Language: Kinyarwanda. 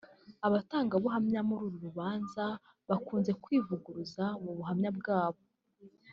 Abatangabuhamya muri uru rubanza bakunze kwivuguruza mu buhamya bwabo